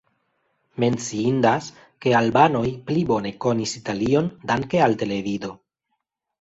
Menciindas, ke albanoj pli bone konis Italion danke al televido.